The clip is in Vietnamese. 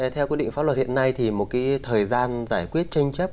theo quyết định pháp luật hiện nay thì một cái thời gian giải quyết tranh chấp